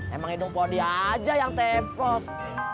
emang hidung podi aja yang tepos